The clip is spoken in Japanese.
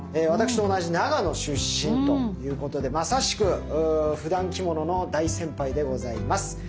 私と同じ長野出身ということでまさしくふだん着物の大先輩でございます。